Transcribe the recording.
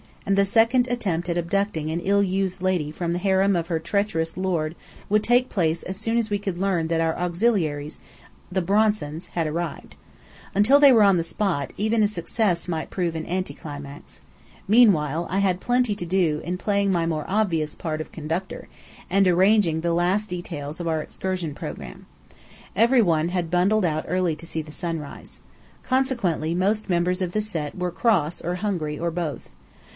and the second attempt at abducting an ill used lady from the harem of her treacherous lord would take place as soon as we could learn that our auxiliaries, the Bronsons, had arrived. Until they were on the spot, even a success might prove an anti climax. Meanwhile I had plenty to do in playing my more obvious part of Conductor, and arranging the last details of our excursion programme. Every one had bundled out early to see the sunrise. Consequently most members of the Set were cross or hungry, or both.